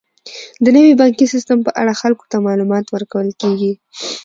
د نوي بانکي سیستم په اړه خلکو ته معلومات ورکول کیږي.